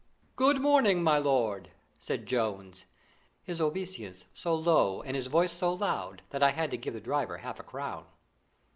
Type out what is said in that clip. "Good morning, my lord!" said Jones, his obeisance so low and his voice so loud that I had to give the driver half a crown.